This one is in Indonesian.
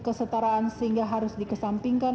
kesetaraan sehingga harus dikesampingkan